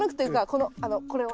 このこれを。